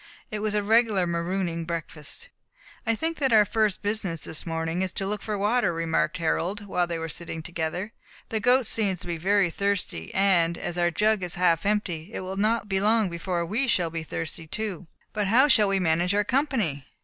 It was a regular marooning breakfast. "I think that our first business this morning is to look for water," remarked Harold, while they were sitting together. "The goat seems to be very thirsty, and, as our jug is half empty, it will not be long before we shall be thirsty too. But how shall we manage our company?